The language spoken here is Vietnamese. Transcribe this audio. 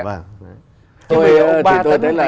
thì tôi thấy là